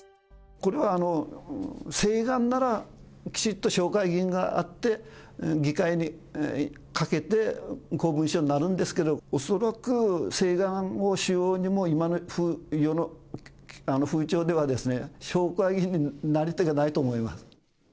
これが請願なら、きちっと紹介議員があって、議会にかけて、公文書になるんですけど、恐らく請願をしようにも、今の世の風潮ではですね、紹介のなり手がないと思います。